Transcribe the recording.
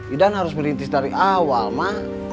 idan harus berintis dari awal ma